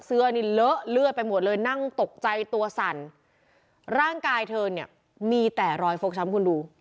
เสื้อนี่เลอะเลือดไปหมดเลยนั่งตกใจตัวสั่นร่างกายเธอเนี่ยมีแต่รอยฟกช้ำคุณดู